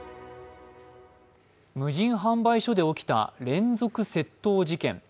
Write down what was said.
無人販売所で起きた連続窃盗事件。